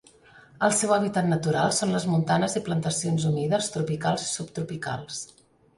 El seu hàbitat natural són les montanes i plantacions humides tropicals i subtropicals.